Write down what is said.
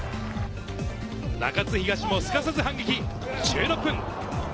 中津東もすかさず反撃、１６分。